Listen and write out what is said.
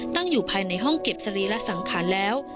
ตั้งอยู่ภายในห้องเก็บสรีระสังขารแล้ว